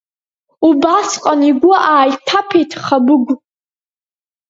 Убасҟан игәы ааиҭаԥеит Хабыгә.